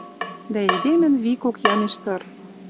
Дӓ эдемӹн викок ямеш тыр.